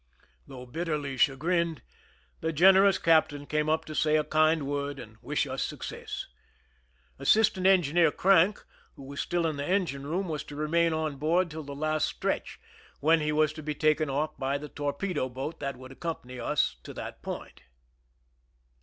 Though bitterly chagrined, the generous captain came up to say a kind word and wish us success. Assistant Engineer Crank, who was still in the engine room, was to remain on board till the last stretch, when he was to be taken off by the torpedo boat that would accompany us to that point.